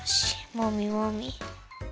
もみもみ。